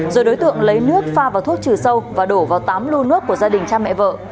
rồi đối tượng lấy nước pha vào thuốc trừ sâu và đổ vào tám lô nước của gia đình cha mẹ vợ